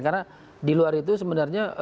karena di luar itu sebenarnya